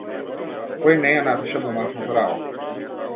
Кој не ја напиша домашната работа?